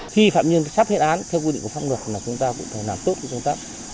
khi phạm nhân sắp hết án theo quy định của pháp luật là chúng ta cũng phải làm tốt cho chúng ta